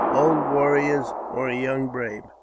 Old warriors, or a young brave?